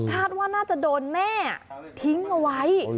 คาดว่าน่าจะโดนแม่ทิ้งเอาไว้